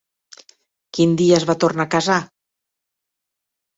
Quin dia es va tornar a casar?